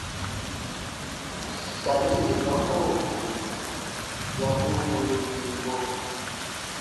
Sari yè ba koo ko ya kun wirugii mɔ.